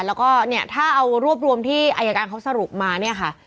แล้วก็เนี่ยถ้าเอารวบรวมที่อายการเขาสรุปมาเนี่ยค่ะ